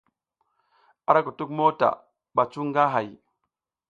A ra kutuk mota ɓa cu nga hay.